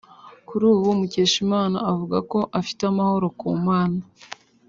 Kuri ubu Mukeshimana avuga ko afite amahoro ku Mana